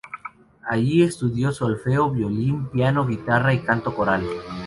Allí estudió solfeo, violín, piano, guitarra y canto coral.